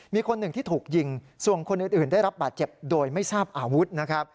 มีคนหนึ่งที่ถูกยิงส่วนคนอื่นได้รับบาดเจ็บโดยไม่ทราบอาวุธนะครับ